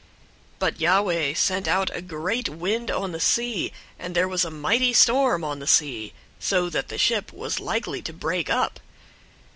001:004 But Yahweh sent out a great wind on the sea, and there was a mighty storm on the sea, so that the ship was likely to break up.